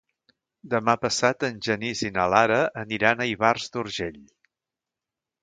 Demà passat en Genís i na Lara aniran a Ivars d'Urgell.